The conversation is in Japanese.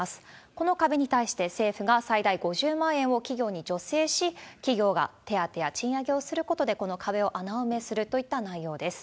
この壁に対して、政府が最大５０万円を企業に助成し、企業が手当や賃上げをすることで、この壁を穴埋めするといった内容です。